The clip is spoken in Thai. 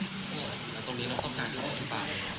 ตรงนี้เราต้องการความจริงไป